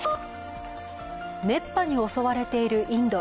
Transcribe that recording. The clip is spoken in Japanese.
熱波に襲われているインド。